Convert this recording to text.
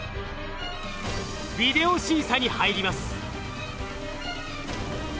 ビデオ審査に入ります。